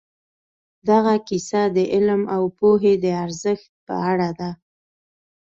دغه کیسه د علم او پوهې د ارزښت په اړه ده.